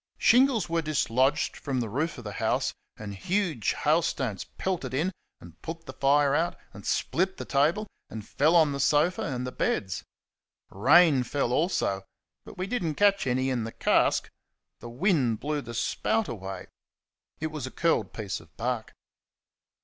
Shingles were dislodged from the roof of the house, and huge hailstones pelted in and put the fire out, and split the table, and fell on the sofa and the beds. Rain fell also, but we did n't catch any in the cask the wind blew the spout away. It was a curled piece of bark.